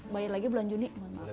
bayar lagi bulan juni